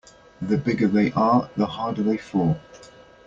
The bigger they are the harder they fall.